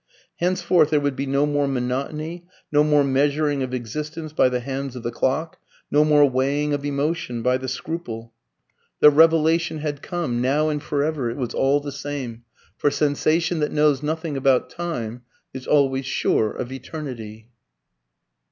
Henceforth there would be no more monotony, no more measuring of existence by the hands of the clock, no more weighing of emotion by the scruple. The revelation had come. Now and for ever it was all the same; for sensation that knows nothing about time is always sure of eternity.